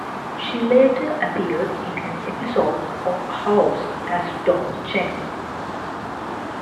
She later appeared in an episode of "House" as Doctor Cheng.